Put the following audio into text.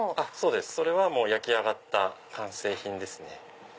それは焼き上がった完成品ですね。